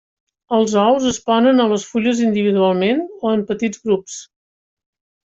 Els ous es ponen a les fulles individualment o en petits grups.